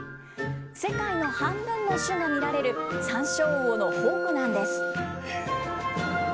世界の半分の種が見られる、サンショウウオの宝庫なんです。